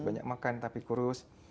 banyak makan tapi kurus